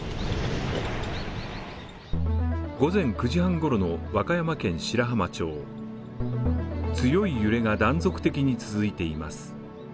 午前９時半ごろの和歌山県白浜町強い揺れが断続的に続いています。